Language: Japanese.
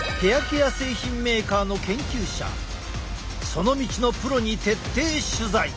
その道のプロに徹底取材！